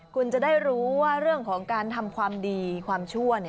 คุณจะได้รู้ว่าเรื่องของการทำความดีความชั่ว